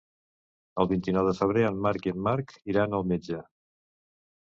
El vint-i-nou de febrer en Marc i en Marc iran al metge.